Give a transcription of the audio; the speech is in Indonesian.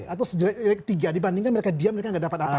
atau jerik tiga dibandingkan mereka diam mereka nggak dapat apa